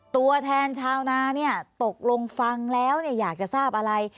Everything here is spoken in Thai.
ตัวแทนชาวนาเนี่ยตกลงฟังแล้วอยากจะทราบอะไร